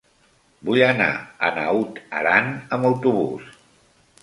Vull anar a Naut Aran amb autobús.